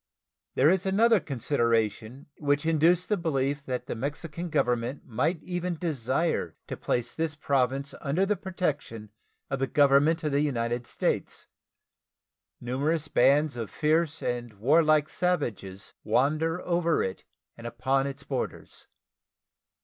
There is another consideration which induced the belief that the Mexican Government might even desire to place this Province under the protection of the Government of the United States. Numerous bands of fierce and warlike savages wander over it and upon its borders.